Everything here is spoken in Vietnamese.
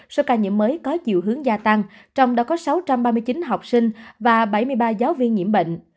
số ca nhiễm mới có chiều hướng gia tăng trong đó có sáu trăm ba mươi chín học sinh và bảy mươi ba giáo viên nhiễm bệnh